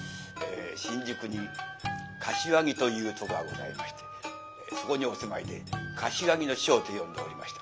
新宿に柏木というとこがございましてそこにお住まいで「柏木の師匠」と呼んでおりました。